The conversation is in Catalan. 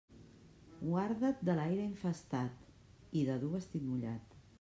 Guarda't de l'aire infestat i de dur vestit mullat.